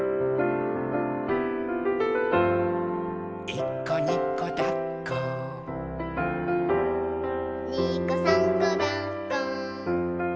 「いっこにこだっこ」「にこさんこだっこ」